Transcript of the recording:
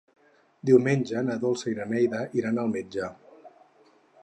Diumenge na Dolça i na Neida iran al metge.